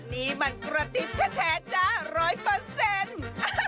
นี่มันกระติ๊บแท้จ๊ะร้อยเปอร์เซ็นต์